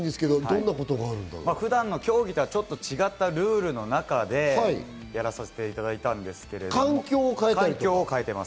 普段の競技とはちょっと違ったルールの中でやらさせていただいたんですけれども環境を変えています。